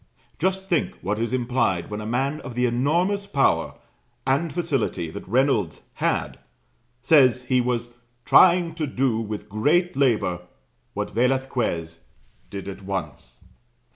Just think what is implied when a man of the enormous power and facility that Reynolds had, says he was "trying to do with great labor" what Velasquez "did at once."